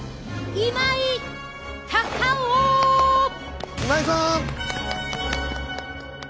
今井さん！